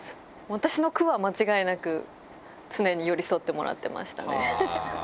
私の苦は、間違いなく、常に寄り添ってもらってましたね。